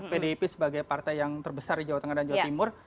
pdip sebagai partai yang terbesar di jawa tengah dan jawa timur